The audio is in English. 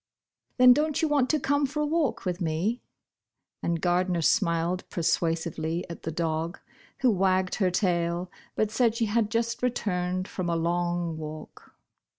"Then dont you want to come for a walk with me?" and Gardner smiled persuasively at the dog, who wagged her tail but said she had just returned from a long walk.